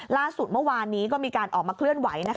ล่าสุดเมื่อวานนี้ก็มีการออกมาเคลื่อนไหว